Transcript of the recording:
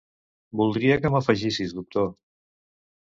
Voldria que m'afegissis doctor.